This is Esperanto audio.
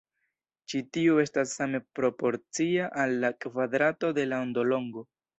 Ĉi tiu estas same proporcia al la kvadrato de la ondolongo.